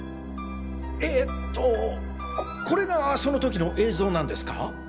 えっとこれがその時の映像なんですか？